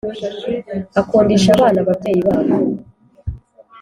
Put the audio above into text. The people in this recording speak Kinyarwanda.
Akundisha abana ababyeyi babo,